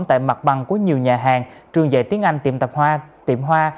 tại mặt bằng của nhiều nhà hàng trường dạy tiếng anh tiệm tạp hoa tiệm hoa